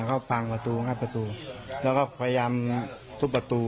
เขาพังประตูงัดประตูแล้วก็พยายามทุบประตู